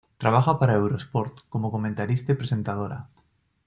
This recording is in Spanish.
Trabaja para Eurosport como comentarista y presentadora.